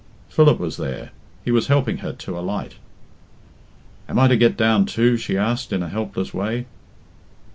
Philip was there. He was helping her to alight. "Am I to get down too?" she asked in a helpless way.